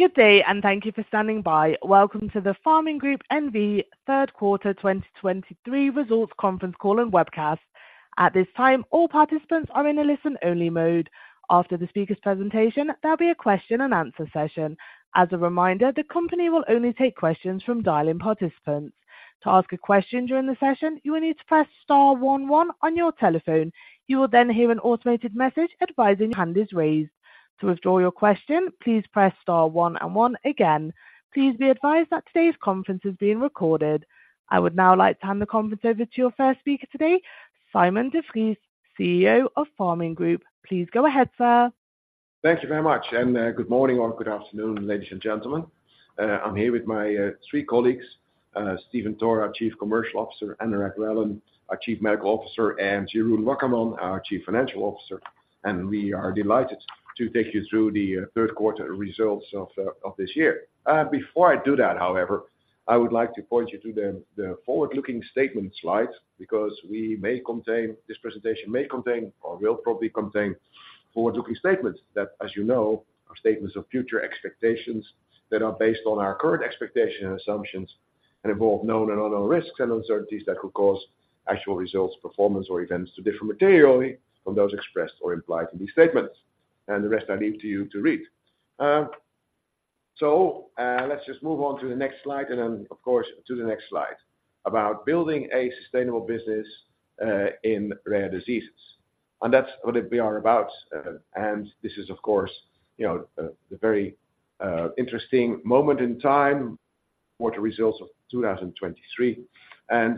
Good day, and thank you for standing by. Welcome to the Pharming Group N.V. third quarter 2023 results conference call and webcast. At this time, all participants are in a listen-only mode. After the speaker's presentation, there'll be a question-and-answer session. As a reminder, the company will only take questions from dial-in participants. To ask a question during the session, you will need to press star one one on your telephone. You will then hear an automated message advising your hand is raised. To withdraw your question, please press star one and one again. Please be advised that today's conference is being recorded. I would now like to hand the conference over to your first speaker today, Sijmen de Vries, CEO of Pharming Group. Please go ahead, sir. Thank you very much, and, good morning or good afternoon, ladies and gentlemen. I'm here with my three colleagues, Stephen Toor, our Chief Commercial Officer, Anurag Relan, our Chief Medical Officer, and Jeroen Wakkerman, our Chief Financial Officer, and we are delighted to take you through the third quarter results of this year. Before I do that, however, I would like to point you to the forward-looking statement slide, because we may contain... This presentation may contain or will probably contain forward-looking statements, that, as you know, are statements of future expectations that are based on our current expectations and assumptions and involve known and unknown risks and uncertainties that could cause actual results, performance, or events to differ materially from those expressed or implied in these statements. And the rest I leave to you to read. So, let's just move on to the next slide, and then, of course, to the next slide, about building a sustainable business in rare diseases. That's what we are about, and this is, of course, you know, a very interesting moment in time for the results of 2023.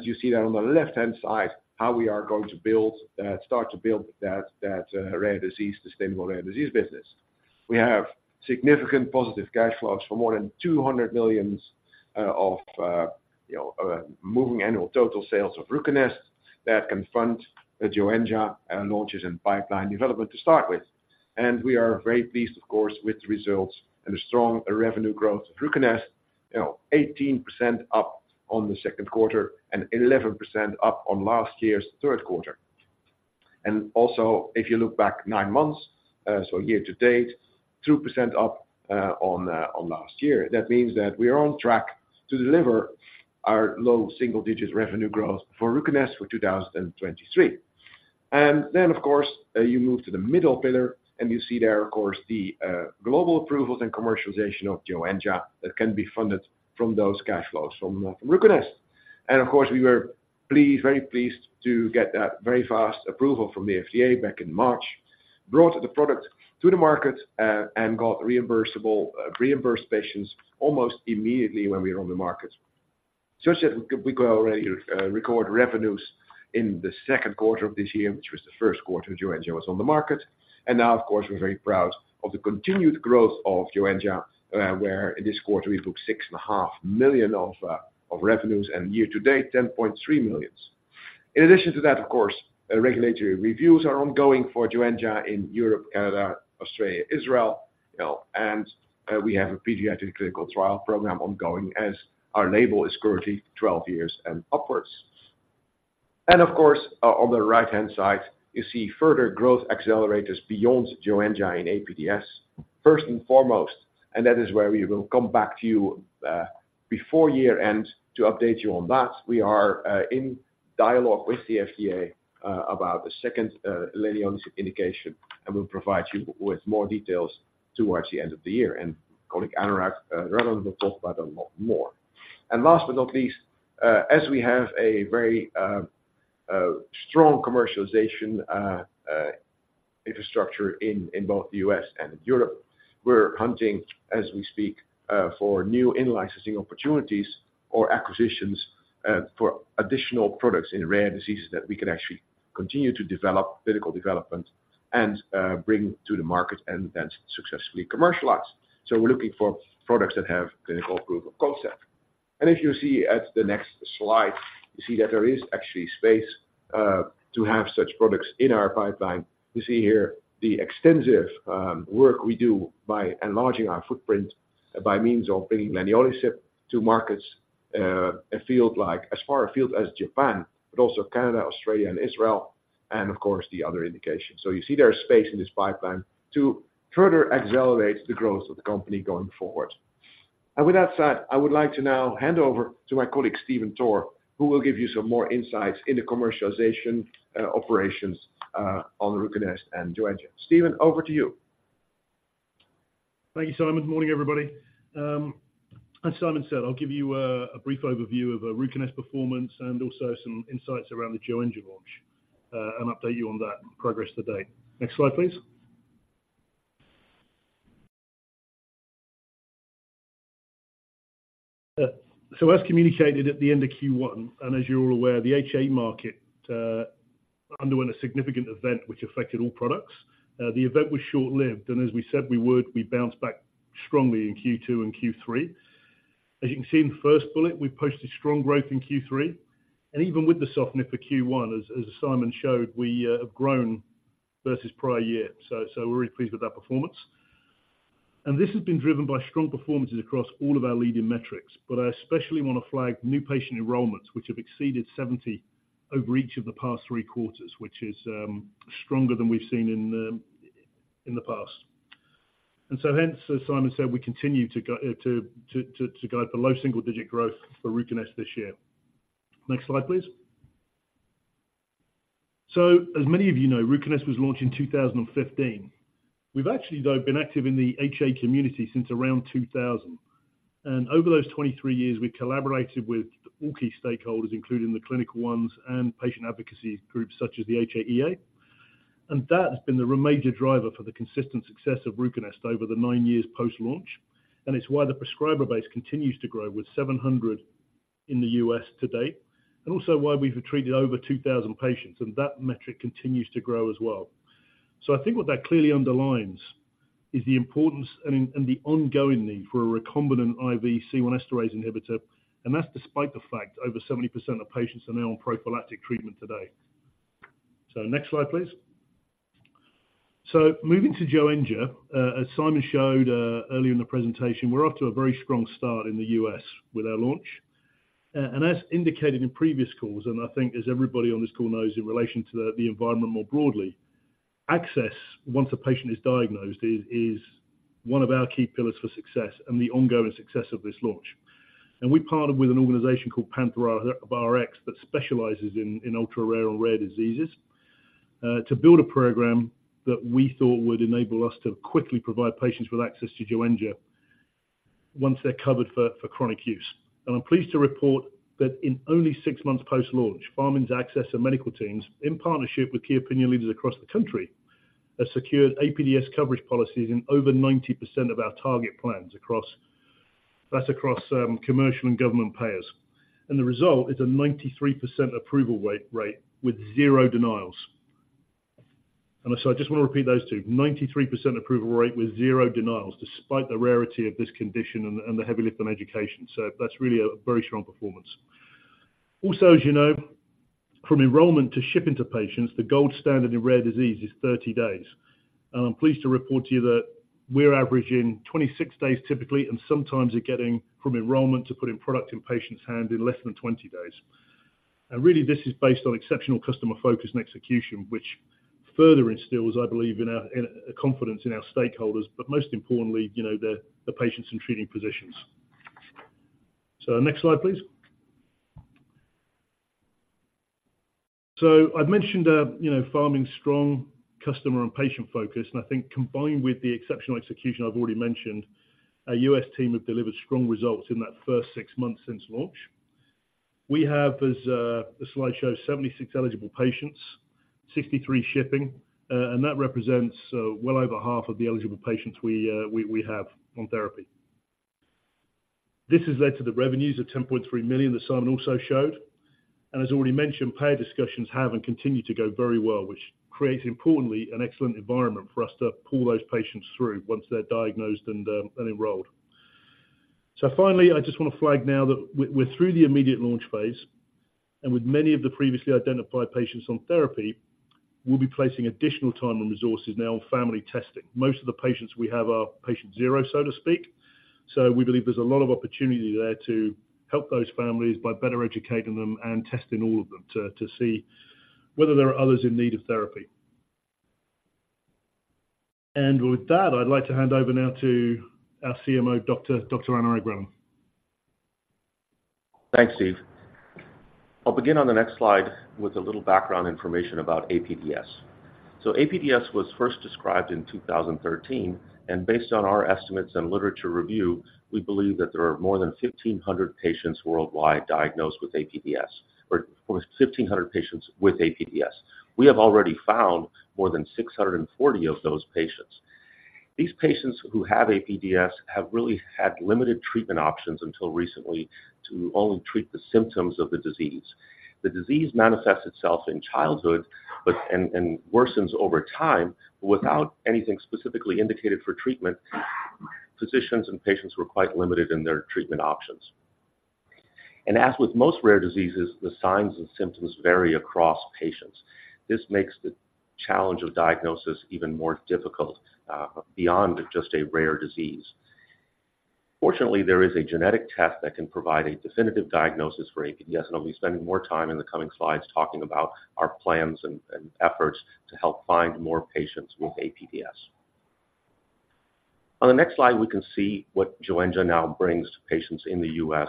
You see that on the left-hand side, how we are going to build, start to build that, that rare disease, sustainable rare disease business. We have significant positive cash flows from more than $200 million of, you know, moving annual total sales of RUCONEST that can fund the Joenja launches and pipeline development to start with. We are very pleased, of course, with the results and the strong revenue growth of RUCONEST, you know, 18% up on the second quarter and 11% up on last year's third quarter. Also, if you look back 9 months, so year to date, 2% up on last year. That means that we are on track to deliver our low single-digit revenue growth for RUCONEST for 2023. Then, of course, you move to the middle pillar, and you see there, of course, the global approvals and commercialization of Joenja that can be funded from those cash flows from RUCONEST. Of course, we were pleased, very pleased to get that very fast approval from the FDA back in March, brought the product to the market, and got reimbursable, reimbursed patients almost immediately when we were on the market. Such that we, we go already, record revenues in the second quarter of this year, which was the first quarter Joenja was on the market. And now, of course, we're very proud of the continued growth of Joenja, where in this quarter we booked $6.5 million of revenues, and year to date, $10.3 million. In addition to that, of course, regulatory reviews are ongoing for Joenja in Europe, Canada, Australia, Israel, you know, and we have a pediatric clinical trial program ongoing as our label is currently 12 years and upwards. Of course, on the right-hand side, you see further growth accelerators beyond Joenja in APDS. First and foremost, and that is where we will come back to you, before year-end to update you on that. We are in dialogue with the FDA about the second leniolisib indication, and we'll provide you with more details towards the end of the year. And colleague, Anurag Relan, will talk about a lot more. And last but not least, as we have a very strong commercialization infrastructure in both the U.S. and Europe, we're hunting, as we speak, for new in-licensing opportunities or acquisitions for additional products in rare diseases that we can actually continue to develop, clinical development and bring to the market and then successfully commercialize. So we're looking for products that have clinical proof of concept. And if you see at the next slide, you see that there is actually space to have such products in our pipeline. You see here the extensive work we do by enlarging our footprint by means of bringing leniolisib to markets, a field like as far afield as Japan, but also Canada, Australia and Israel, and of course, the other indications. So you see there is space in this pipeline to further accelerate the growth of the company going forward. And with that said, I would like to now hand over to my colleague, Stephen Toor, who will give you some more insights into commercialization operations on RUCONEST and Joenja. Stephen, over to you. Thank you, Sijmen. Good morning, everybody. As Sijmen said, I'll give you a brief overview of RUCONEST performance and also some insights around the Joenja launch, and update you on that progress to date. Next slide, please. So as communicated at the end of Q1, and as you're all aware, the HA market underwent a significant event which affected all products. The event was short-lived, and as we said we would, we bounced back strongly in Q2 and Q3. As you can see in the first bullet, we posted strong growth in Q3, and even with the softness for Q1, as Sijmen showed, we have grown versus prior year. So we're really pleased with that performance. This has been driven by strong performances across all of our leading metrics, but I especially want to flag new patient enrollments, which have exceeded 70% over each of the past three quarters, which is stronger than we've seen in the past. So hence, as Sijmen said, we continue to guide for low single-digit growth for RUCONEST this year. Next slide, please. So, as many of you know, RUCONEST was launched in 2015. We've actually, though, been active in the HA community since around 2000. And over those 23 years, we've collaborated with all key stakeholders, including the clinical ones and patient advocacy groups such as the HAEA. And that has been the major driver for the consistent success of RUCONEST over the nine years post-launch. It's why the prescriber base continues to grow, with 700 in the US to date, and also why we've treated over 2,000 patients, and that metric continues to grow as well. So I think what that clearly underlines is the importance and the ongoing need for a recombinant IV C1 esterase inhibitor, and that's despite the fact over 70% of patients are now on prophylactic treatment today. So next slide, please. So moving to Joenja. As Sijmen showed earlier in the presentation, we're off to a very strong start in the U.S. with our launch. And as indicated in previous calls, and I think as everybody on this call knows, in relation to the environment more broadly, access, once a patient is diagnosed, is one of our key pillars for success and the ongoing success of this launch. We partnered with an organization called PantherRx that specializes in ultra-rare or rare diseases to build a program that we thought would enable us to quickly provide patients with access to Joenja once they're covered for chronic use. I'm pleased to report that in only six months post-launch, Pharming's access and medical teams, in partnership with key opinion leaders across the country, have secured APDS coverage policies in over 90% of our target plans across commercial and government payers. The result is a 93% approval rate with zero denials. So I just want to repeat those two. 93% approval rate with zero denials, despite the rarity of this condition and the heavy lift on education. So that's really a very strong performance. Also, as you know, from enrollment to shipping to patients, the gold standard in rare disease is 30 days. And I'm pleased to report to you that we're averaging 26 days typically, and sometimes are getting from enrollment to putting product in patients' hand in less than 20 days. And really, this is based on exceptional customer focus and execution, which further instills, I believe, in our... confidence in our stakeholders, but most importantly, you know, the, the patients and treating physicians. So next slide, please. So I've mentioned, you know, Pharming's strong customer and patient focus, and I think combined with the exceptional execution I've already mentioned, our U.S. team have delivered strong results in that first six months since launch. We have, as the slide shows, 76 eligible patients, 63 shipping, and that represents well over half of the eligible patients we have on therapy. This has led to the revenues of $10.3 million that Sijmen also showed. And as already mentioned, payer discussions have and continue to go very well, which creates, importantly, an excellent environment for us to pull those patients through once they're diagnosed and enrolled. So finally, I just want to flag now that we're through the immediate launch phase, and with many of the previously identified patients on therapy, we'll be placing additional time and resources now on family testing. Most of the patients we have are patient zero, so to speak, so we believe there's a lot of opportunity there to help those families by better educating them and testing all of them to see whether there are others in need of therapy. And with that, I'd like to hand over now to our CMO, Dr. Anurag Relan. Thanks, Steve. I'll begin on the next slide with a little background information about APDS. APDS was first described in 2013, and based on our estimates and literature review, we believe that there are more than 1,500 patients worldwide diagnosed with APDS or almost 1,500 patients with APDS. We have already found more than 640 of those patients. These patients who have APDS have really had limited treatment options until recently to only treat the symptoms of the disease. The disease manifests itself in childhood, but and worsens over time. Without anything specifically indicated for treatment, physicians and patients were quite limited in their treatment options. As with most rare diseases, the signs and symptoms vary across patients. This makes the challenge of diagnosis even more difficult beyond just a rare disease. Fortunately, there is a genetic test that can provide a definitive diagnosis for APDS, and I'll be spending more time in the coming slides talking about our plans and efforts to help find more patients with APDS. On the next slide, we can see what Joenja now brings to patients in the U.S.,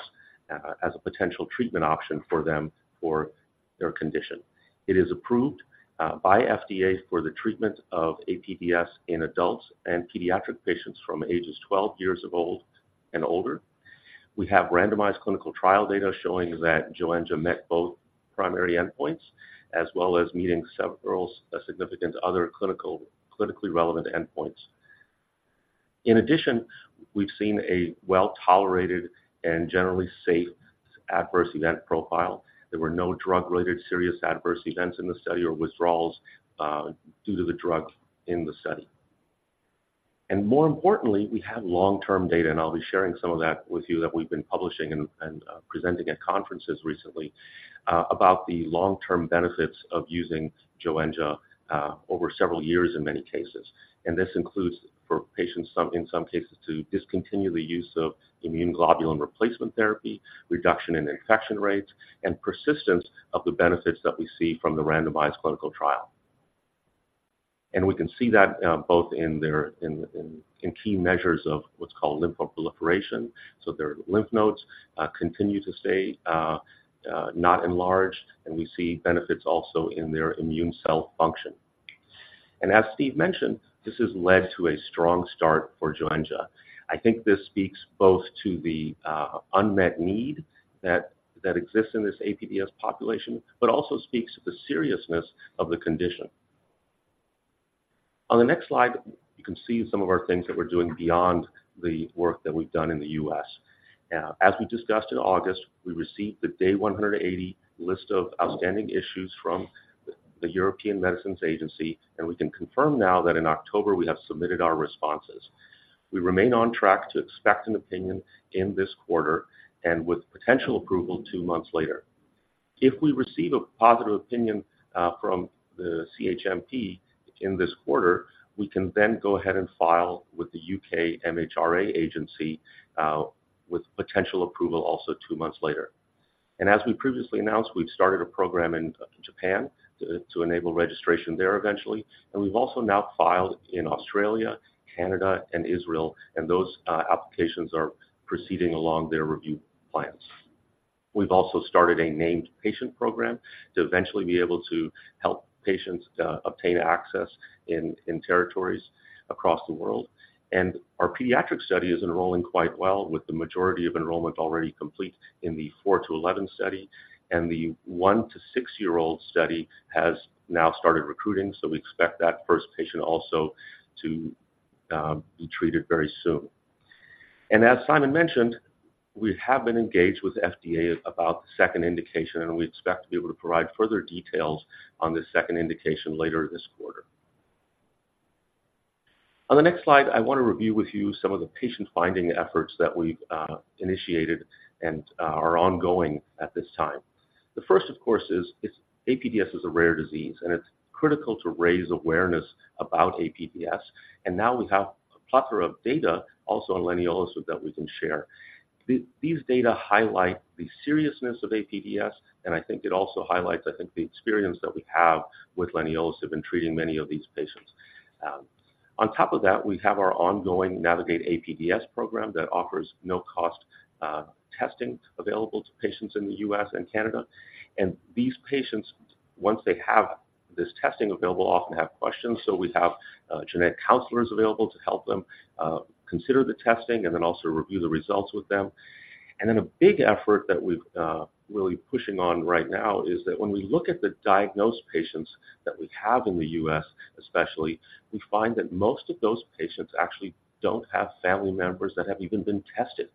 as a potential treatment option for them for their condition. It is approved by FDA for the treatment of APDS in adults and pediatric patients from ages 12 years of old and older. We have randomized clinical trial data showing that Joenja met both primary endpoints, as well as meeting several significant other clinical, clinically relevant endpoints. In addition, we've seen a well-tolerated and generally safe adverse event profile. There were no drug-related serious adverse events in the study or withdrawals due to the drug in the study. And more importantly, we have long-term data, and I'll be sharing some of that with you that we've been publishing and presenting at conferences recently, about the long-term benefits of using Joenja over several years in many cases. And this includes for patients, in some cases, to discontinue the use of immune globulin replacement therapy, reduction in infection rates, and persistence of the benefits that we see from the randomized clinical trial. And we can see that, both in their key measures of what's called lymphoproliferation. So their lymph nodes continue to stay not enlarged, and we see benefits also in their immune cell function. And as Steve mentioned, this has led to a strong start for Joenja. I think this speaks both to the unmet need that exists in this APDS population, but also speaks to the seriousness of the condition. On the next slide, you can see some of our things that we're doing beyond the work that we've done in the U.S. As we discussed in August, we received the day 180 list of outstanding issues from the European Medicines Agency, and we can confirm now that in October we have submitted our responses. We remain on track to expect an opinion in this quarter and with potential approval two months later. If we receive a positive opinion from the CHMP in this quarter, we can then go ahead and file with the U.K. MHRA agency with potential approval also two months later. As we previously announced, we've started a program in Japan to enable registration there eventually, and we've also now filed in Australia, Canada, and Israel, and those applications are proceeding along their review plans. We've also started a named patient program to eventually be able to help patients obtain access in territories across the world. Our pediatric study is enrolling quite well, with the majority of enrollment already complete in the 4-11 study, and the 1-6-year-old study has now started recruiting, so we expect that first patient also to be treated very soon. As Sijmen mentioned, we have been engaged with the FDA about the second indication, and we expect to be able to provide further details on this second indication later this quarter. On the next slide, I want to review with you some of the patient-finding efforts that we've initiated and are ongoing at this time. The first, of course, is APDS is a rare disease, and it's critical to raise awareness about APDS, and now we have a plethora of data also on leniolisib that we can share. These data highlight the seriousness of APDS, and I think it also highlights, I think, the experience that we have with leniolisib in treating many of these patients. On top of that, we have our ongoing Navigate APDS program that offers no-cost testing available to patients in the U.S. and Canada. And these patients, once they have this testing available, often have questions, so we have genetic counselors available to help them consider the testing and then also review the results with them. Then a big effort that we've really pushing on right now is that when we look at the diagnosed patients that we have in the U.S., especially, we find that most of those patients actually don't have family members that have even been tested.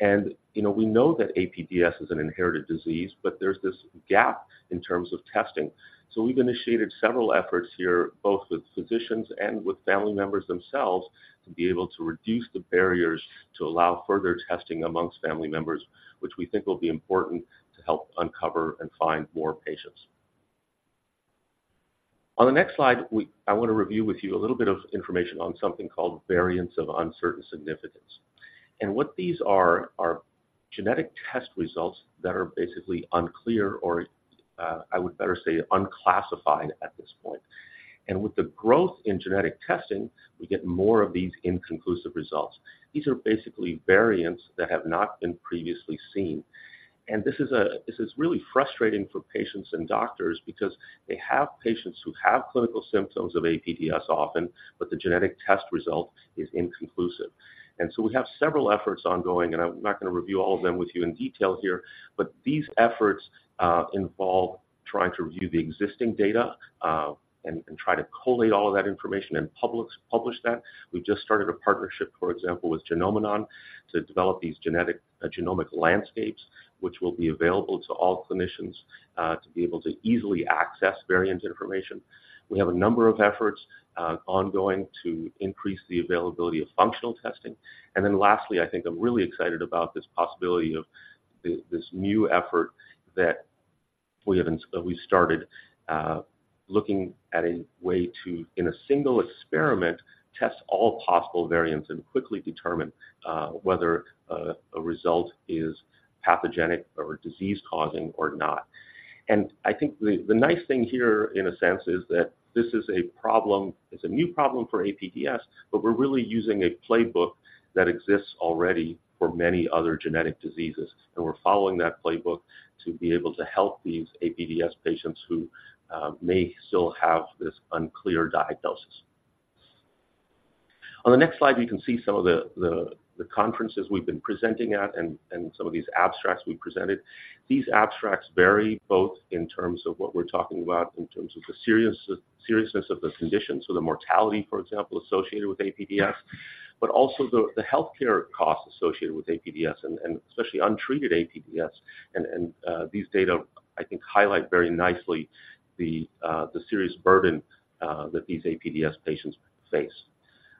And, you know, we know that APDS is an inherited disease, but there's this gap in terms of testing. So we've initiated several efforts here, both with physicians and with family members themselves, to be able to reduce the barriers to allow further testing amongst family members, which we think will be important to help uncover and find more patients. On the next slide, I want to review with you a little bit of information on something called variants of uncertain significance. What these are, are genetic test results that are basically unclear, or, I would better say, unclassified at this point. With the growth in genetic testing, we get more of these inconclusive results. These are basically variants that have not been previously seen. This is, this is really frustrating for patients and doctors because they have patients who have clinical symptoms of APDS often, but the genetic test result is inconclusive. So we have several efforts ongoing, and I'm not going to review all of them with you in detail here, but these efforts involve trying to review the existing data, and try to collate all of that information and publish that. We've just started a partnership, for example, with Genomenon to develop these genomic landscapes, which will be available to all clinicians to be able to easily access variant information. We have a number of efforts ongoing to increase the availability of functional testing. And then lastly, I think I'm really excited about this possibility of this new effort that we started looking at a way to, in a single experiment, test all possible variants and quickly determine whether a result is pathogenic or disease-causing or not. I think the nice thing here, in a sense, is that this is a problem, it's a new problem for APDS, but we're really using a playbook that exists already for many other genetic diseases, and we're following that playbook to be able to help these APDS patients who may still have this unclear diagnosis. On the next slide, you can see some of the conferences we've been presenting at and some of these abstracts we presented. These abstracts vary both in terms of what we're talking about, in terms of the seriousness of the condition, so the mortality, for example, associated with APDS, but also the healthcare costs associated with APDS, and these data, I think, highlight very nicely the serious burden that these APDS patients face.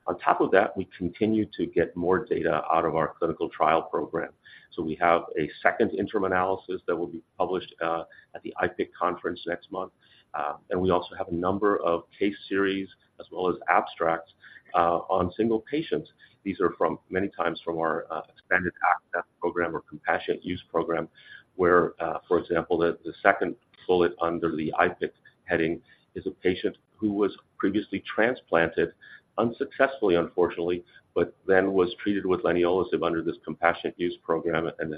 On top of that, we continue to get more data out of our clinical trial program. So we have a second interim analysis that will be published at the IPIC conference next month. And we also have a number of case series as well as abstracts on single patients. These are from, many times from our expanded access program or compassionate use program, where, for example, the second bullet under the IPIC heading is a patient who was previously transplanted unsuccessfully, unfortunately, but then was treated with leniolisib under this compassionate use program, and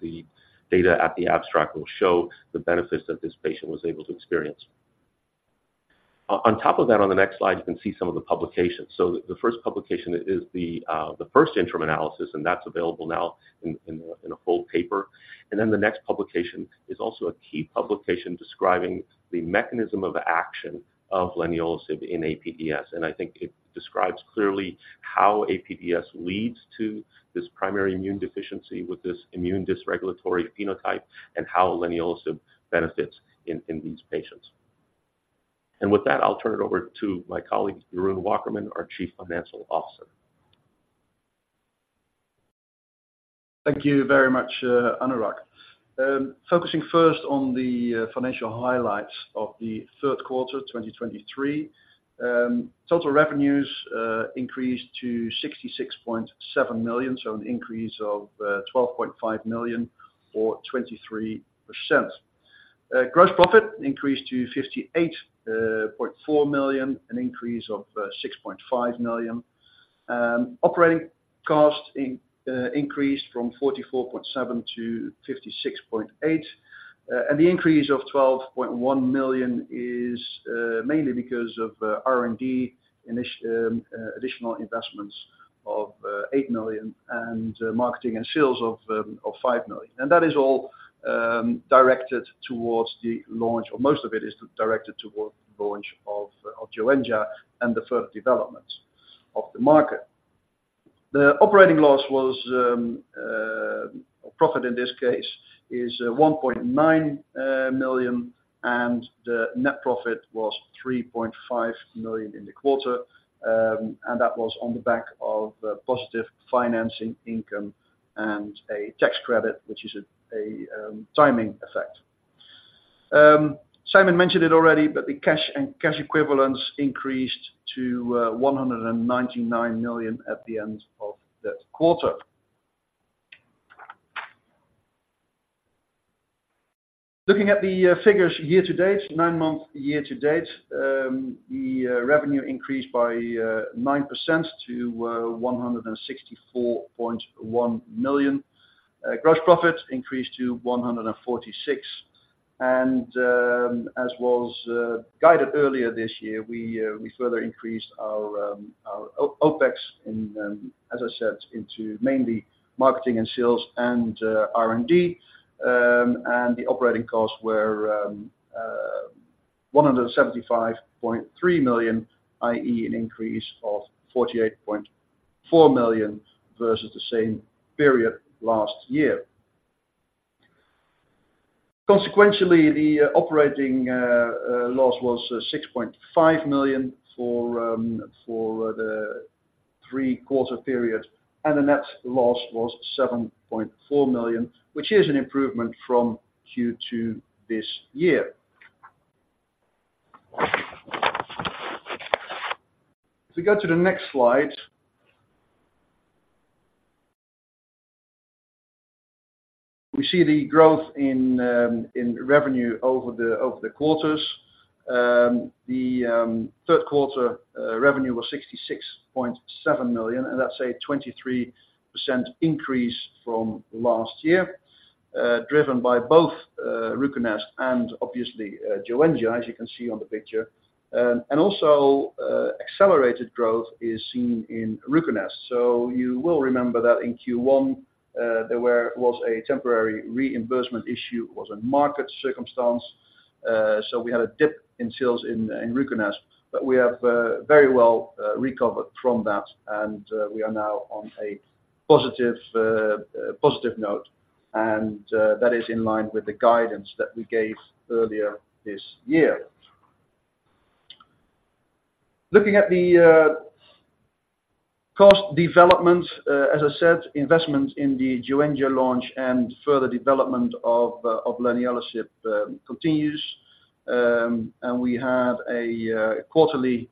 the data at the abstract will show the benefits that this patient was able to experience. On top of that, on the next slide, you can see some of the publications. So the first publication is the, the first interim analysis, and that's available now in a full paper. And then the next publication is also a key publication describing the mechanism of action of leniolisib in APDS, and I think it describes clearly how APDS leads to this primary immune deficiency with this immune dysregulatory phenotype and how leniolisib benefits in these patients. And with that, I'll turn it over to my colleague, Jeroen Wakkerman, our Chief Financial Officer. Thank you very much, Anurag. Focusing first on the financial highlights of the third quarter 2023. Total revenues increased to $66.7 million, so an increase of $12.5 million or 23%. Gross profit increased to $58.4 million, an increase of $6.5 million. Operating costs increased from $44.7 million-$56.8 million. And the increase of $12.1 million is mainly because of R&D additional investments of $8 million and marketing and sales of $5 million. That is all directed towards the launch, or most of it is directed toward the launch of Joenja and the further development of the market. The operating loss was, or profit in this case, is $1.9 million, and the net profit was $3.5 million in the quarter. That was on the back of positive financing income and a tax credit, which is a timing effect. Sijmen mentioned it already, but the cash and cash equivalents increased to $199 million at the end of that quarter. Looking at the figures year to date, nine-month year to date, the revenue increased by 9% to $164.1 million. Gross profit increased to $146 million. As was guided earlier this year, we further increased our OpEx in, as I said, into mainly marketing and sales and R&D. And the operating costs were $175.3 million, i.e., an increase of $48.4 million versus the same period last year. Consequently, the operating loss was $6.5 million for the three-quarter period, and the net loss was $7.4 million, which is an improvement from Q2 this year. If we go to the next slide, we see the growth in revenue over the quarters. The third quarter revenue was $66.7 million, and that's a 23% increase from last year, driven by both RUCONEST and obviously Joenja, as you can see on the picture. And also, accelerated growth is seen in RUCONEST. So you will remember that in Q1, there was a temporary reimbursement issue, it was a market circumstance, so we had a dip in sales in RUCONEST, but we have very well recovered from that, and we are now on a positive note, and that is in line with the guidance that we gave earlier this year. Looking at the cost development, as I said, investment in the Joenja launch and further development of leniolisib continues. And we have a quarterly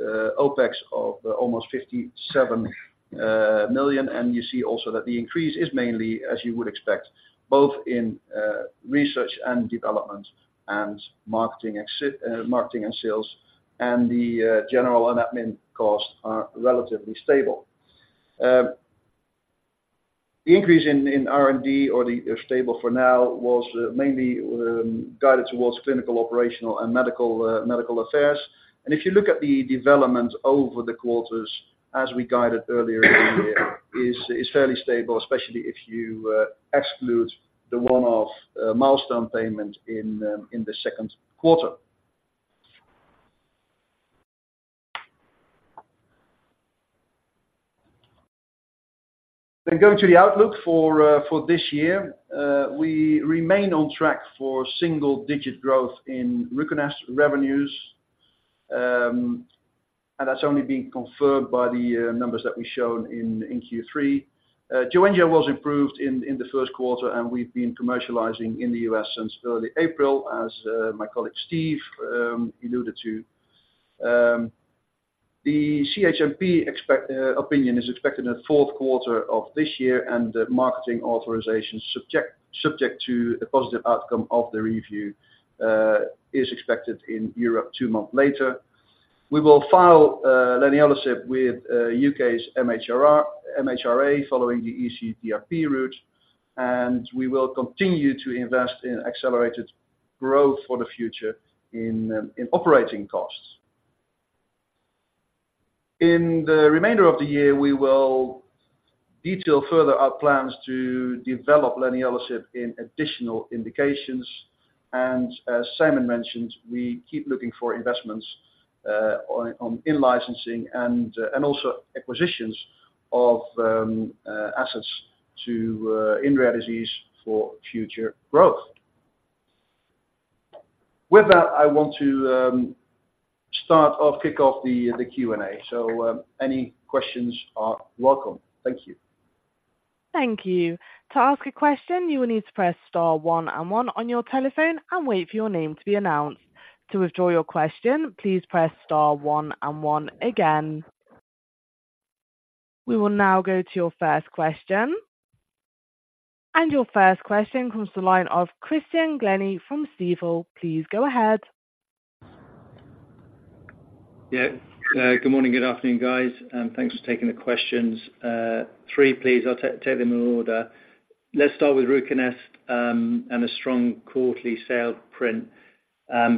OpEx of almost $57 million, and you see also that the increase is mainly as you would expect, both in research and development, and marketing expenses, marketing and sales, and the general and admin costs are relatively stable. The increase in R&D or the stable for now was mainly guided towards clinical, operational, and medical affairs. If you look at the development over the quarters, as we guided earlier in the year, is fairly stable, especially if you exclude the one-off milestone payment in the second quarter. Going to the outlook for this year. We remain on track for single-digit growth in RUCONEST revenues, and that's only been confirmed by the numbers that we've shown in Q3. Joenja was improved in the first quarter, and we've been commercializing in the U.S. since early April, as my colleague, Steve, alluded to. The CHMP expected opinion is expected in the fourth quarter of this year, and the marketing authorization subject to a positive outcome of the review is expected in Europe two months later. We will file leniolisib with the U.K's MHRA following the EC DRP route, and we will continue to invest in accelerated growth for the future in operating costs. In the remainder of the year, we will detail further our plans to develop leniolisib in additional indications. And as Sijmen mentioned, we keep looking for investments in in-licensing and also acquisitions of assets in rare disease for future growth. With that, I want to start or kick off the Q&A. Any questions are welcome. Thank you. Thank you. To ask a question, you will need to press star one and one on your telephone and wait for your name to be announced. To withdraw your question, please press star one and one again. We will now go to your first question. Your first question comes from the line of Christian Glennie from Stifel. Please go ahead. Yeah. Good morning, good afternoon, guys, and thanks for taking the questions. Three, please. I'll take them in order. Let's start with RUCONEST, and a strong quarterly sales print.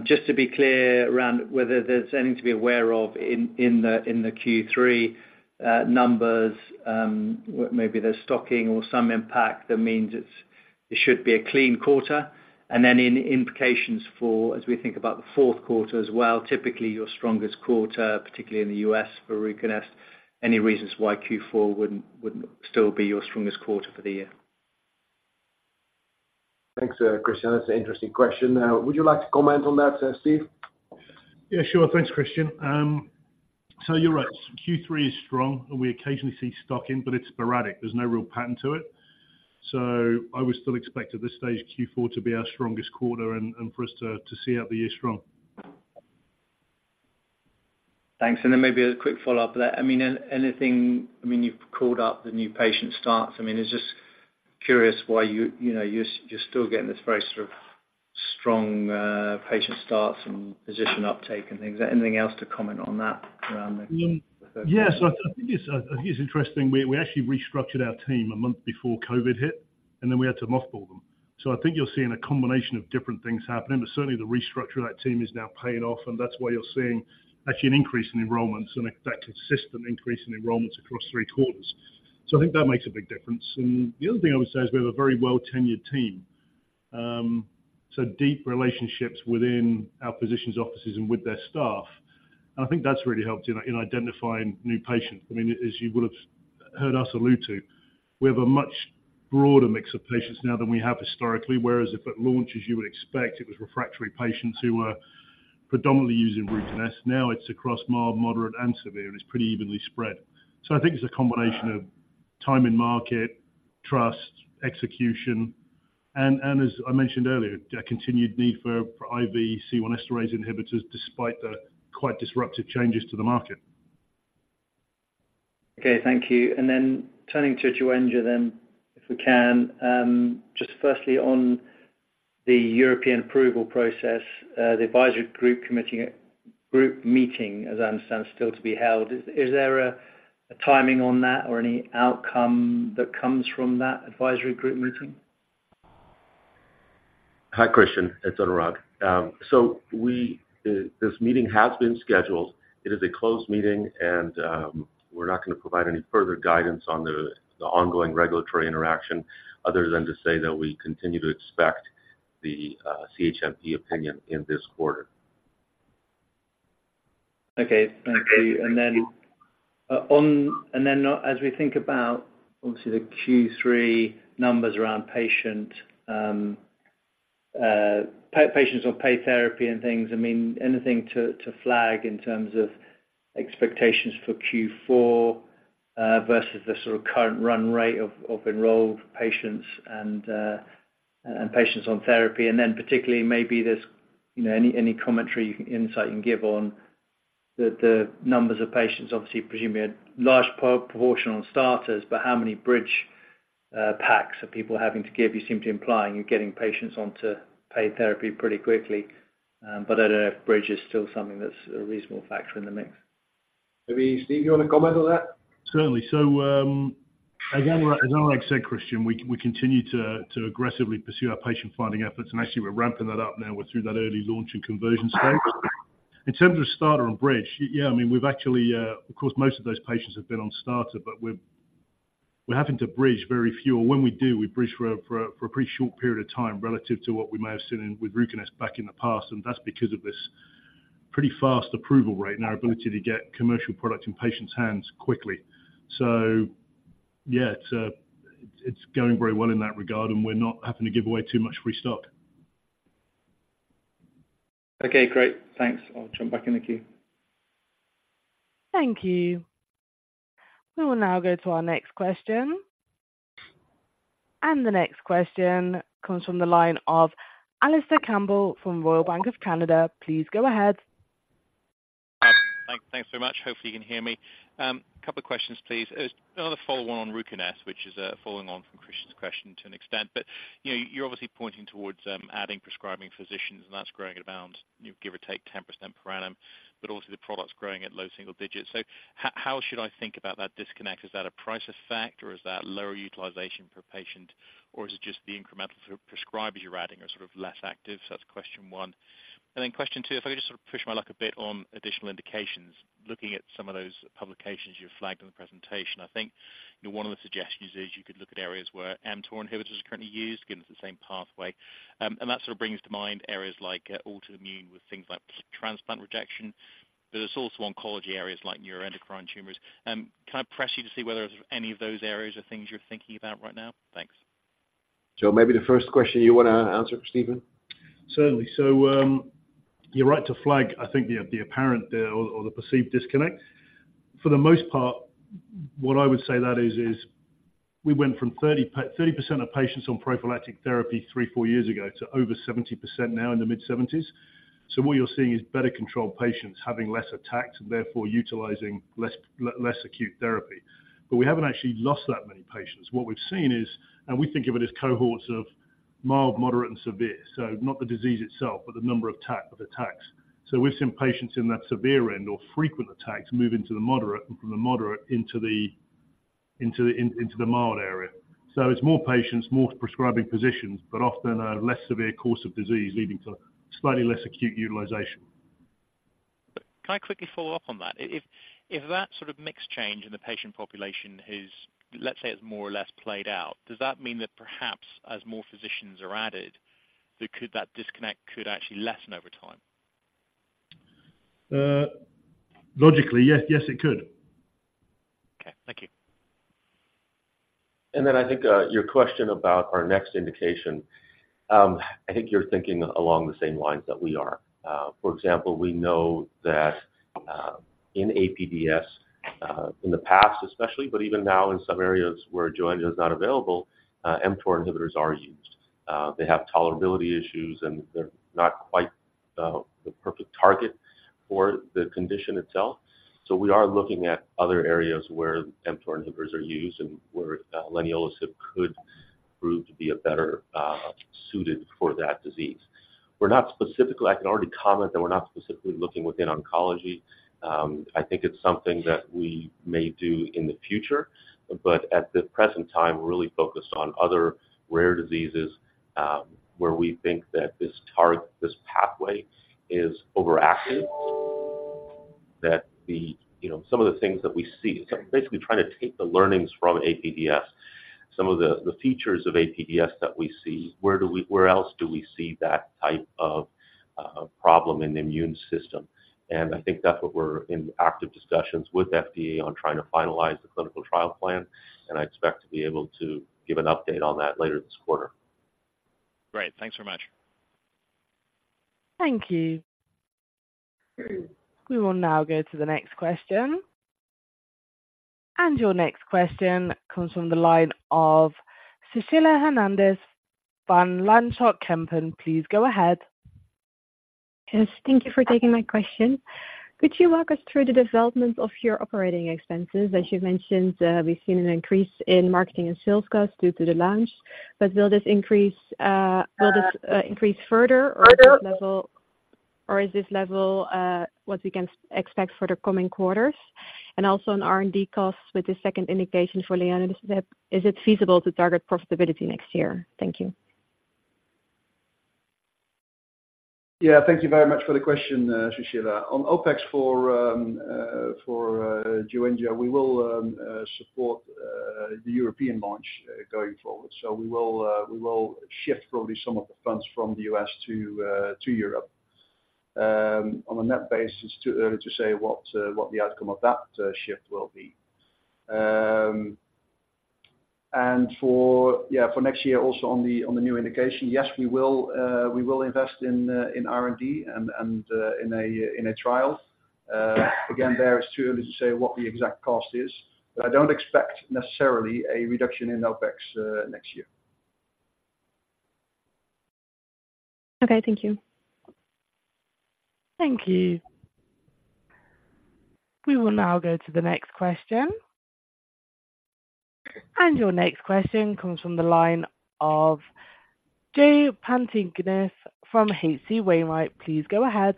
Just to be clear around whether there's anything to be aware of in the Q3 numbers, maybe there's stocking or some impact that means it should be a clean quarter. And then any implications for as we think about the fourth quarter as well, typically your strongest quarter, particularly in the U.S. for RUCONEST, any reasons why Q4 wouldn't still be your strongest quarter for the year? Thanks, Christian. That's an interesting question. Would you like to comment on that, Steve? Yeah, sure. Thanks, Christian. So you're right. Q3 is strong, and we occasionally see stocking, but it's sporadic. There's no real pattern to it. So I would still expect, at this stage, Q4 to be our strongest quarter and for us to see out the year strong. Thanks. And then maybe a quick follow-up to that. I mean, anything... I mean, you've called out the new patient starts. I mean, it's just curious why you, you know, you're still getting this very sort of strong patient starts and physician uptake and things. Anything else to comment on that, around the- Yes. I, I think it's interesting. We, we actually restructured our team a month before COVID hit, and then we had to mothball them. So I think you're seeing a combination of different things happening, but certainly, the restructure of that team is now paying off, and that's why you're seeing actually an increase in enrollments and an effective system increase in enrollments across three quarters. So I think that makes a big difference. And the other thing I would say is we have a very well-tenured team. So deep relationships within our physicians' offices and with their staff. And I think that's really helped in, in identifying new patients. I mean, as you would have heard us allude to, we have a much broader mix of patients now than we have historically. Whereas if at launches, you would expect it was refractory patients who were predominantly using RUCONEST, now it's across mild, moderate, and severe, and it's pretty evenly spread. So I think it's a combination of time in market, trust, execution, and, and as I mentioned earlier, a continued need for, for IV C1 esterase inhibitors, despite the quite disruptive changes to the market. Okay, thank you. Then turning to Joenja, if we can. Just firstly, on the European approval process, the advisory committee meeting, as I understand, still to be held. Is there a timing on that or any outcome that comes from that advisory committee meeting? Hi, Christian, it's Anurag. So this meeting has been scheduled. It is a closed meeting, and we're not gonna provide any further guidance on the ongoing regulatory interaction, other than to say that we continue to expect the CHMP opinion in this quarter. Okay, thank you. And then as we think about obviously the Q3 numbers around patients on paid therapy and things, I mean, anything to flag in terms of expectations for Q4 versus the sort of current run rate of enrolled patients and patients on therapy, and then particularly, maybe there's any commentary, insight you can give on the numbers of patients? Obviously, presumably a large proportion on starters, but how many bridge packs are people having to give? You seem to be implying you're getting patients onto paid therapy pretty quickly, but I don't know if bridge is still something that's a reasonable factor in the mix. Maybe, Steve, you want to comment on that? Certainly. So, again, as Anurag said, Christian, we continue to aggressively pursue our patient finding efforts, and actually we're ramping that up now. We're through that early launch and conversion stage. In terms of starter and bridge, yeah, I mean, we've actually. Of course, most of those patients have been on starter, but we're having to bridge very few. Or when we do, we bridge for a pretty short period of time relative to what we may have seen with RUCONEST back in the past, and that's because of this pretty fast approval rate and our ability to get commercial product in patients' hands quickly. So yeah, it's going very well in that regard, and we're not having to give away too much free stock. Okay, great. Thanks. I'll jump back in the queue. Thank you. We will now go to our next question. The next question comes from the line of Alistair Campbell from Royal Bank of Canada. Please go ahead. Thanks very much. Hopefully, you can hear me. Couple of questions, please. Another follow-up on RUCONEST, which is following on from Christian's question to an extent. But, you know, you're obviously pointing towards adding prescribing physicians, and that's growing at around, give or take, 10% per annum, but also the product's growing at low single digits. So how should I think about that disconnect? Is that a price effect, or is that lower utilization per patient, or is it just the incremental prescribers you're adding are sort of less active? So that's question one. And then question two, if I could just sort of push my luck a bit on additional indications. Looking at some of those publications you've flagged in the presentation, I think, you know, one of the suggestions is you could look at areas where mTOR inhibitors are currently used, given it's the same pathway. And that sort of brings to mind areas like, autoimmune with things like transplant rejection, but there's also oncology areas like neuroendocrine tumors. Can I press you to see whether any of those areas are things you're thinking about right now? Thanks. Joe, maybe the first question you wanna answer for Stephen? Certainly. So, you're right to flag, I think, the apparent or the perceived disconnect. For the most part, what I would say that is, we went from 30% of patients on prophylactic therapy 3-4 years ago, to over 70% now in the mid-70s. So what you're seeing is better controlled patients having less attacks, and therefore utilizing less acute therapy. But we haven't actually lost that many patients. What we've seen is, and we think of it as cohorts of mild, moderate, and severe, so not the disease itself, but the number of attacks. So we've seen patients in that severe end or frequent attacks, move into the moderate, and from the moderate into the mild area. It's more patients, more prescribing physicians, but often a less severe course of disease, leading to slightly less acute utilization. Can I quickly follow up on that? If that sort of mix change in the patient population is, let's say, it's more or less played out, does that mean that perhaps as more physicians are added, that could - that disconnect could actually lessen over time? Logically, yes. Yes, it could. Okay, thank you. And then I think your question about our next indication. I think you're thinking along the same lines that we are. For example, we know that in APDS, in the past especially, but even now in some areas where Joenja is not available, mTOR inhibitors are used. They have tolerability issues, and they're not quite the perfect target for the condition itself. So we are looking at other areas where mTOR inhibitors are used and where leniolisib could prove to be a better suited for that disease. We're not specifically. I can already comment that we're not specifically looking within oncology. I think it's something that we may do in the future, but at the present time, we're really focused on other rare diseases, where we think that this target, this pathway is overactive. That the... You know, some of the things that we see, so basically trying to take the learnings from APDS, some of the, the features of APDS that we see, where do we- where else do we see that type of problem in the immune system? And I think that's what we're in active discussions with FDA on trying to finalize the clinical trial plan, and I expect to be able to give an update on that later this quarter. Great. Thanks so much. Thank you. We will now go to the next question. Your next question comes from the line of Susie van Voorthuizen from Van Lanschot Kempen. Please go ahead. Yes, thank you for taking my question. Could you walk us through the development of your operating expenses? As you've mentioned, we've seen an increase in marketing and sales costs due to the launch, but will this increase further or is this level, what we can expect for the coming quarters? And also on R&D costs with the second indication for leniolisib, is it feasible to target profitability next year? Thank you. Yeah, thank you very much for the question, Susie. On OpEx for Joenja, we will support the European launch going forward. So we will shift probably some of the funds from the US to Europe. On a net basis, it's too early to say what the outcome of that shift will be. And for next year, also on the new indication, yes, we will invest in R&D and in a trial. Again, there, it's too early to say what the exact cost is, but I don't expect necessarily a reduction in OpEx next year. Okay, thank you. Thank you. We will now go to the next question. Your next question comes from the line of Jay Pantginis from H.C. Wainwright. Please go ahead.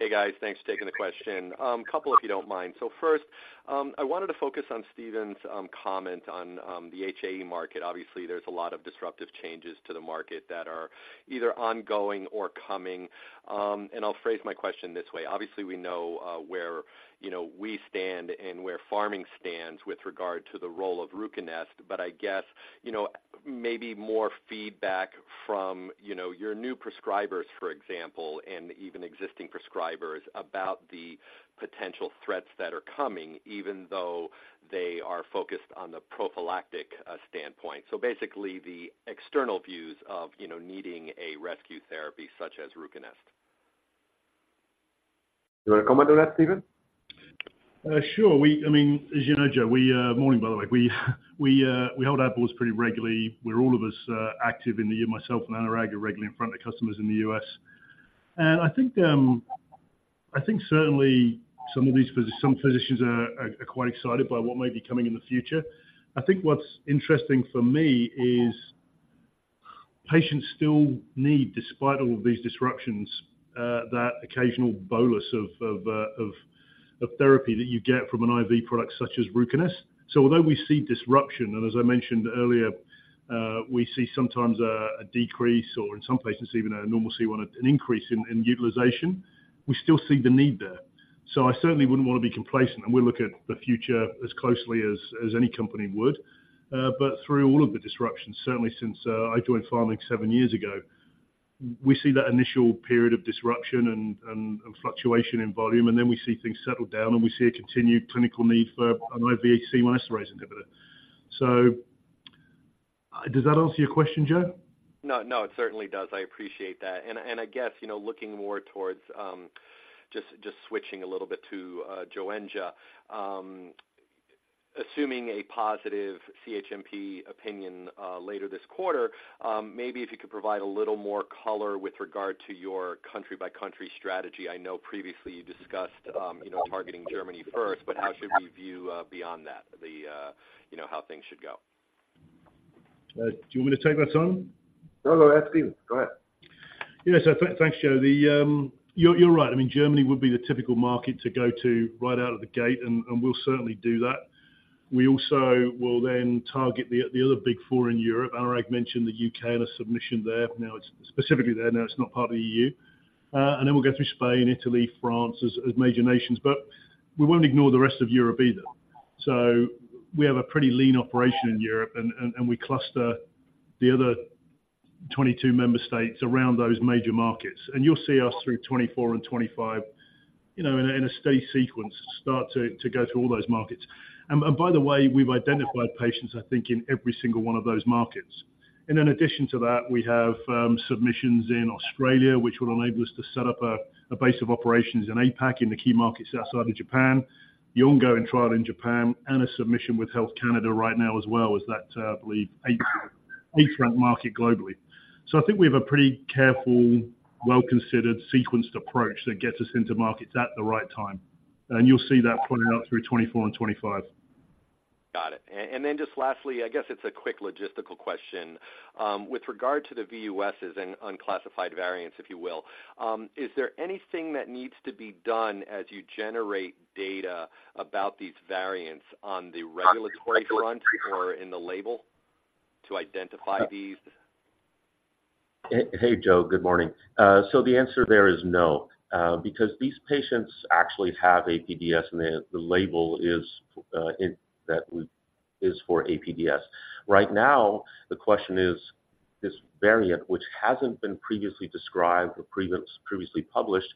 Hey, guys. Thanks for taking the question. Couple, if you don't mind. So first, I wanted to focus on Stephen's comment on the HAE market. Obviously, there's a lot of disruptive changes to the market that are either ongoing or coming. And I'll phrase my question this way: Obviously, we know where you know we stand and where Pharming stands with regard to the role of RUCONEST, but I guess you know maybe more feedback from you know your new prescribers, for example, and even existing prescribers, about the potential threats that are coming, even though they are focused on the prophylactic standpoint. So basically, the external views of you know needing a rescue therapy such as RUCONEST. You want to comment on that, Stephen? Sure. I mean, as you know, Joe, morning, by the way, we hold our boards pretty regularly. We're all of us active. Myself and Anurag are regularly in front of customers in the US. And I think certainly some of these physicians are quite excited by what may be coming in the future. I think what's interesting for me is patients still need, despite all of these disruptions, that occasional bolus of therapy that you get from an IV product such as RUCONEST. So although we see disruption, and as I mentioned earlier, we see sometimes a decrease, or in some cases, even a normalcy, when an increase in utilization, we still see the need there. So I certainly wouldn't want to be complacent, and we look at the future as closely as any company would. But through all of the disruptions, certainly since I joined Pharming seven years ago, we see that initial period of disruption and fluctuation in volume, and then we see things settle down, and we see a continued clinical need for an IV C1 esterase inhibitor. So, does that answer your question, Joe? No, no, it certainly does. I appreciate that. And I guess, you know, looking more towards, just switching a little bit to Joenja. Assuming a positive CHMP opinion later this quarter, maybe if you could provide a little more color with regard to your country-by-country strategy. I know previously you discussed, you know, targeting Germany first, but how should we view beyond that? You know, how things should go. Do you want me to take that, Tom? No, no, ask Steve. Go ahead. Yes, so thanks, Jay. The, you're right. I mean, Germany would be the typical market to go to right out of the gate, and we'll certainly do that. We also will then target the other big four in Europe. Anurag mentioned the UK and a submission there. Now it's specifically there, it's not part of the EU. And then we'll go through Spain, Italy, France, as major nations, but we won't ignore the rest of Europe either. So we have a pretty lean operation in Europe, and we cluster the other 22 member states around those major markets. And you'll see us through 2024 and 2025, you know, in a state sequence, start to go to all those markets. And by the way, we've identified patients, I think, in every single one of those markets. In addition to that, we have submissions in Australia, which will enable us to set up a base of operations in APAC, in the key markets outside of Japan, the ongoing trial in Japan, and a submission with Health Canada right now as well, as that, I believe, eighth front market globally. So I think we have a pretty careful, well-considered, sequenced approach that gets us into markets at the right time. And you'll see that pointed out through 2024 and 2025. Got it. And then just lastly, I guess it's a quick logistical question. With regard to the VUSs and unclassified variants, if you will, is there anything that needs to be done as you generate data about these variants on the regulatory front or in the label to identify these? Hey, hey, Jay. Good morning. So the answer there is no, because these patients actually have APDS and the, the label is in... That is for APDS. Right now, the question is, this variant, which hasn't been previously described or previously published,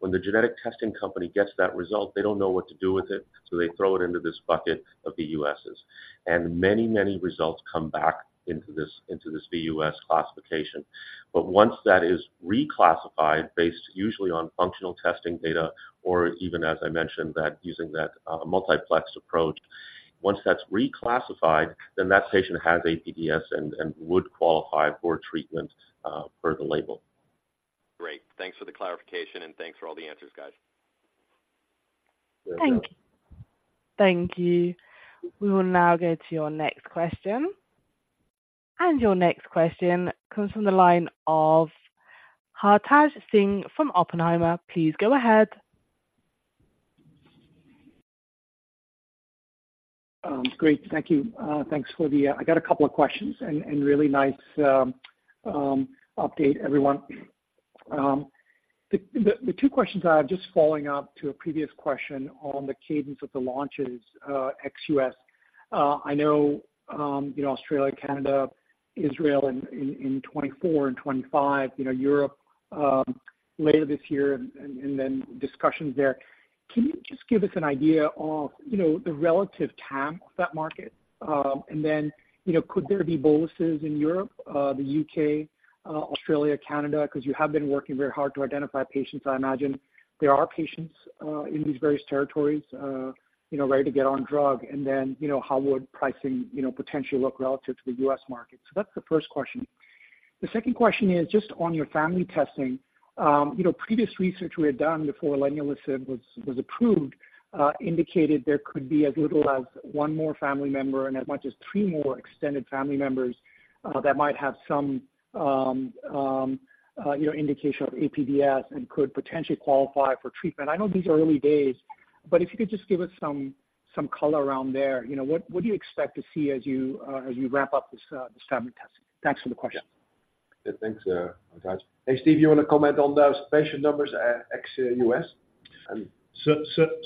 when the genetic testing company gets that result, they don't know what to do with it, so they throw it into this bucket of VUSs. And many, many results come back into this, into this VUS classification. But once that is reclassified, based usually on functional testing data, or even, as I mentioned, that using that multiplex approach, once that's reclassified, then that patient has APDS and, and would qualify for treatment per the label. Great. Thanks for the clarification, and thanks for all the answers, guys. Thank you. Thank you. We will now go to your next question. Your next question comes from the line of Hartaj Singh from Oppenheimer. Please go ahead. Great. Thank you. Thanks for the... I got a couple of questions and really nice update, everyone. The two questions I have, just following up to a previous question on the cadence of the launches, ex-US. I know, you know, Australia, Canada, Israel, in 2024 and 2025, you know, Europe, later this year, and then discussions there. Can you just give us an idea of, you know, the relative TAM of that market? And then, you know, could there be boluses in Europe, the U.K., Australia, Canada, because you have been working very hard to identify patients. I imagine there are patients in these various territories, you know, ready to get on drug. And then, you know, how would pricing, you know, potentially look relative to the U.S. market? So that's the first question. The second question is just on your family testing. You know, previous research we had done before leniolisib was approved indicated there could be as little as one more family member and as much as three more extended family members that might have some, you know, indication of APDS and could potentially qualify for treatment. I know these are early days, but if you could just give us some color around there. You know, what do you expect to see as you wrap up this family testing? Thanks for the question. Yeah. Thanks, Hartaj. Hey, Steve, you want to comment on those patient numbers, ex-U.S.?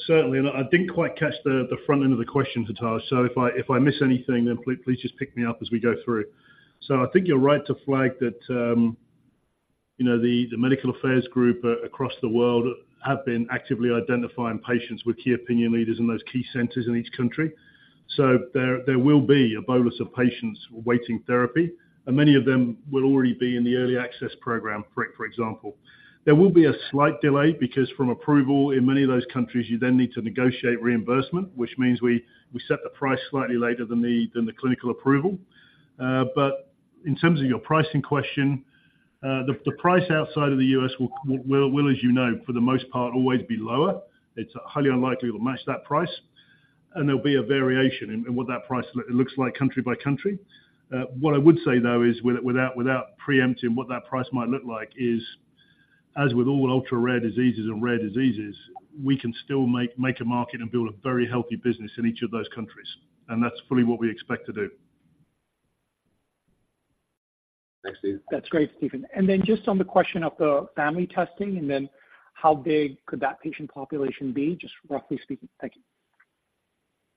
Certainly. And I didn't quite catch the front end of the question, Hartaj, so if I miss anything, then please just pick me up as we go through. So I think you're right to flag that, you know, the medical affairs group across the world have been actively identifying patients with key opinion leaders in those key centers in each country.... So there will be a bolus of patients awaiting therapy, and many of them will already be in the early access program, for example. There will be a slight delay because from approval in many of those countries, you then need to negotiate reimbursement, which means we set the price slightly later than the clinical approval. But in terms of your pricing question, the price outside of the U.S. will, as you know, for the most part, always be lower. It's highly unlikely it'll match that price, and there'll be a variation in what that price looks like country by country. What I would say, though, is without preempting what that price might look like, as with all ultra-rare diseases and rare diseases, we can still make a market and build a very healthy business in each of those countries, and that's fully what we expect to do. Thanks, Stephen. That's great, Stephen. And then just on the question of the family testing, and then how big could that patient population be, just roughly speaking? Thank you.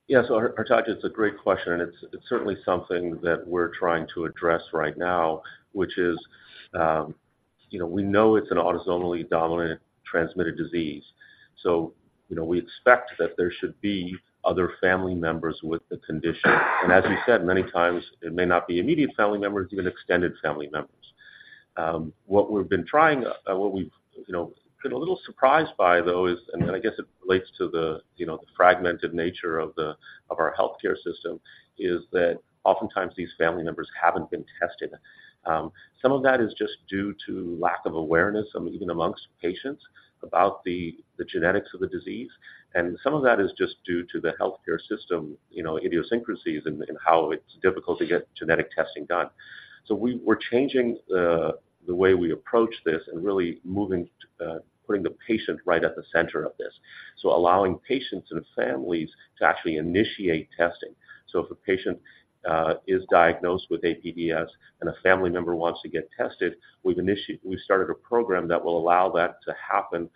Yeah. So, Hartaj, it's a great question, and it's certainly something that we're trying to address right now, which is, you know, we know it's an autosomal dominant transmitted disease, so, you know, we expect that there should be other family members with the condition. And as you said, many times it may not be immediate family members, even extended family members. What we've been trying, you know, been a little surprised by, though, is, and I guess it relates to the, you know, the fragmented nature of our healthcare system, is that oftentimes these family members haven't been tested. Some of that is just due to lack of awareness, even among patients, about the genetics of the disease, and some of that is just due to the healthcare system, you know, idiosyncrasies and how it's difficult to get genetic testing done. So we're changing the way we approach this and really moving to putting the patient right at the center of this. So allowing patients and families to actually initiate testing. So if a patient is diagnosed with APDS, and a family member wants to get tested, we've started a program that will allow that to happen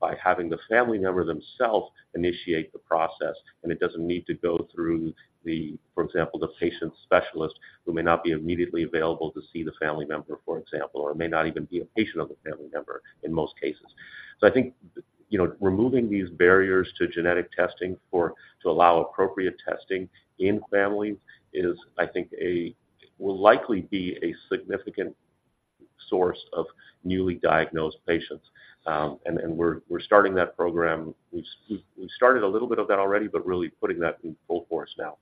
by having the family member themselves initiate the process, and it doesn't need to go through the, for example, the patient's specialist, who may not be immediately available to see the family member, for example, or may not even be a patient of the family member in most cases. So I think, you know, removing these barriers to genetic testing for... to allow appropriate testing in families is, I think, will likely be a significant source of newly diagnosed patients. And we're starting that program. We've started a little bit of that already, but really putting that in full force now.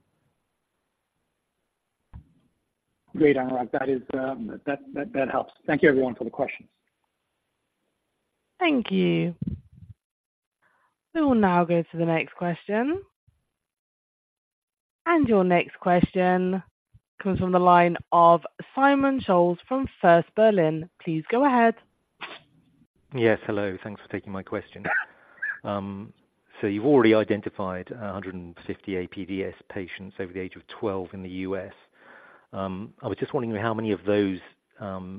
Great, Anurag. That is, that helps. Thank you, everyone, for the questions. Thank you. We will now go to the next question. Your next question comes from the line of Simon Scholes from First Berlin. Please go ahead. Yes, hello. Thanks for taking my question. So you've already identified 150 APDS patients over the age of 12 in the US. I was just wondering, how many of those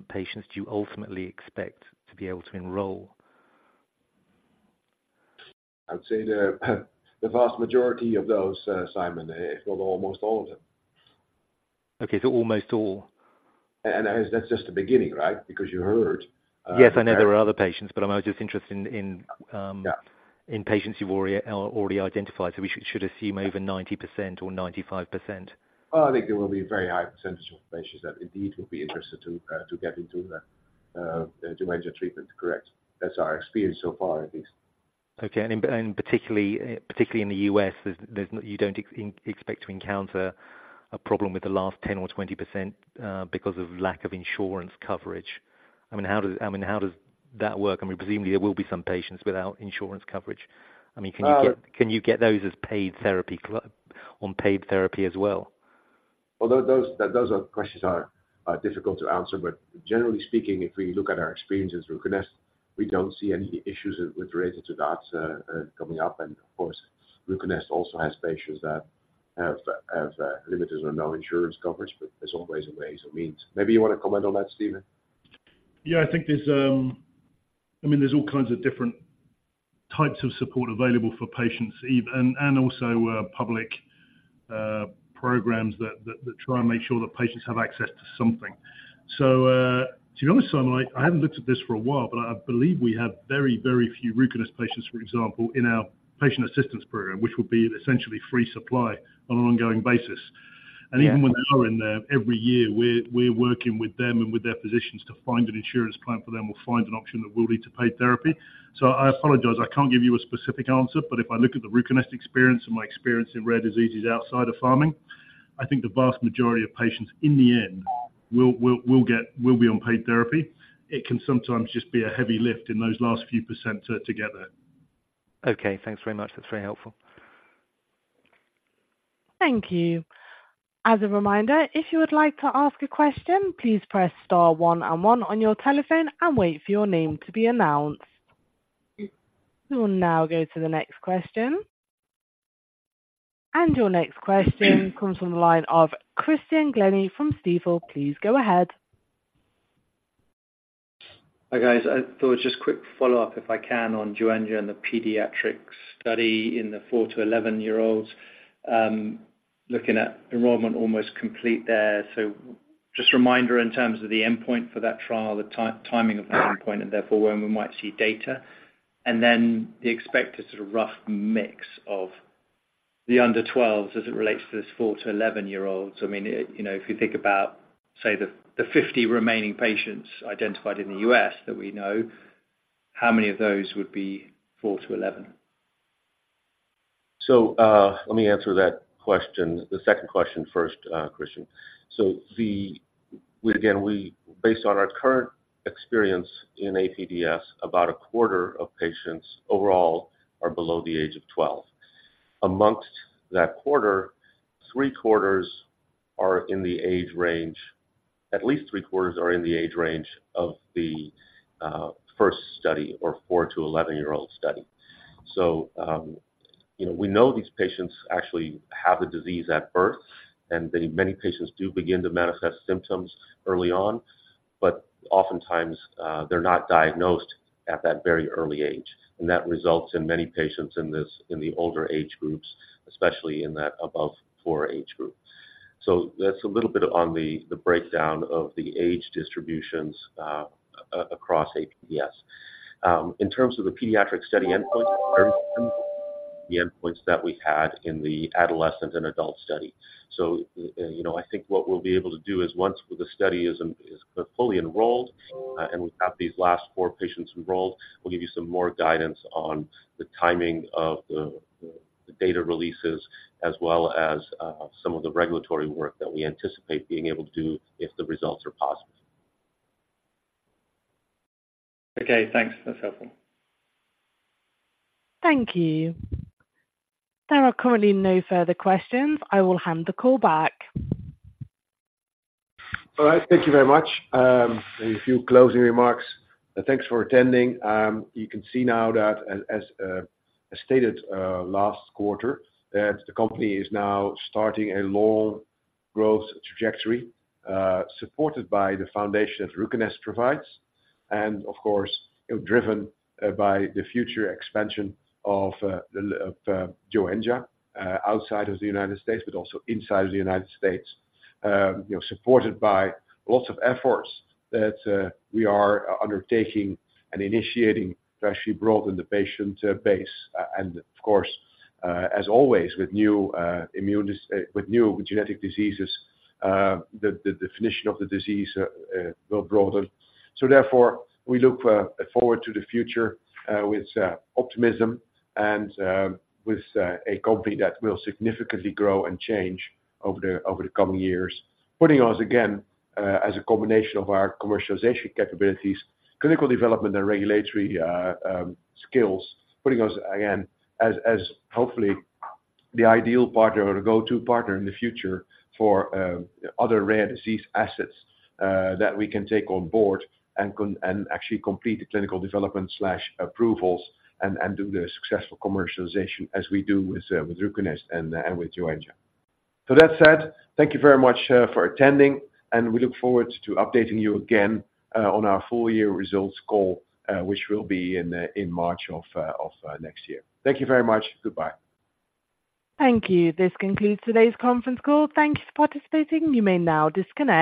patients do you ultimately expect to be able to enroll? I'd say the vast majority of those, Simon, well, almost all of them. Okay, so almost all. And that's just the beginning, right? Because you heard, Yes, I know there are other patients, but I'm just interested in- Yeah... in patients you've already identified. So we should assume over 90% or 95%. I think there will be a very high percentage of patients that indeed will be interested to get into the Dengue treatment. Correct. That's our experience so far, at least. Okay. Particularly in the U.S., you don't expect to encounter a problem with the last 10 or 20%, because of lack of insurance coverage. I mean, how does that work? I mean, presumably there will be some patients without insurance coverage. I mean, can you get- Uh- Can you get those as paid therapy on paid therapy as well? Well, those are questions that are difficult to answer. But generally speaking, if we look at our experience with RUCONEST, we don't see any issues related to that coming up. And of course, RUCONEST also has patients that have limited or no insurance coverage, but there's always ways and means. Maybe you want to comment on that, Stephen? Yeah, I think there's, I mean, there's all kinds of different types of support available for patients, and also public programs that try and make sure that patients have access to something. So, to be honest, Simon, I haven't looked at this for a while, but I believe we have very, very few RUCONEST patients, for example, in our patient assistance program, which will be an essentially free supply on an ongoing basis. Yeah. And even when they are in there, every year, we're working with them and with their physicians to find an insurance plan for them or find an option that will lead to paid therapy. So I apologize, I can't give you a specific answer, but if I look at the RUCONEST experience and my experience in rare diseases outside of pharma, I think the vast majority of patients, in the end, will be on paid therapy. It can sometimes just be a heavy lift in those last few percent to get there. Okay. Thanks very much. That's very helpful. Thank you. As a reminder, if you would like to ask a question, please press star one and one on your telephone and wait for your name to be announced. We will now go to the next question. Your next question comes from the line of Christian Glennie from Stifel. Please go ahead. Hi, guys. I thought just quick follow-up, if I can, on Joenja and the pediatric study in the 4-11-year-olds. Looking at enrollment almost complete there. So just a reminder in terms of the endpoint for that trial, the timing of that endpoint, and therefore when we might see data? And then the expected sort of rough mix of the under 12s as it relates to this 4-11-year-olds. I mean, you know, if you think about, say, the 50 remaining patients identified in the U.S. that we know, how many of those would be 4-11? So, let me answer that question, the second question first, Christian. So again, we based on our current experience in APDS, about a quarter of patients overall are below the age of 12. Among that quarter, three quarters are in the age range, at least three quarters are in the age range of the first study or 4-11-year-old study. So, you know, we know these patients actually have the disease at birth, and many patients do begin to manifest symptoms early on, but oftentimes, they're not diagnosed at that very early age, and that results in many patients in this, in the older age groups, especially in that above four age group. So that's a little bit on the breakdown of the age distributions across APDS. In terms of the pediatric study endpoint, the endpoints that we had in the adolescent and adult study. So, you know, I think what we'll be able to do is once the study is fully enrolled, and we have these last 4 patients enrolled, we'll give you some more guidance on the timing of the data releases, as well as some of the regulatory work that we anticipate being able to do if the results are positive. Okay, thanks. That's helpful. Thank you. There are currently no further questions. I will hand the call back. All right. Thank you very much. A few closing remarks. Thanks for attending. You can see now that as stated last quarter, that the company is now starting a long growth trajectory, supported by the foundation of RUCONEST provides, and of course, driven by the future expansion of Joenja outside of the United States, but also inside of the United States. You know, supported by lots of efforts that we are undertaking and initiating to actually broaden the patient base. And of course, as always, with new genetic diseases, the definition of the disease will broaden. So therefore, we look forward to the future with optimism and with a company that will significantly grow and change over the coming years. Putting us, again, as a combination of our commercialization capabilities, clinical development and regulatory skills, putting us again, as hopefully the ideal partner or the go-to partner in the future for other rare disease assets that we can take on board and and actually complete the clinical development/approvals and do the successful commercialization as we do with RUCONEST and with Joenja. So that said, thank you very much for attending, and we look forward to updating you again on our full year results call, which will be in March of next year. Thank you very much. Goodbye. Thank you. This concludes today's conference call. Thank you for participating. You may now disconnect.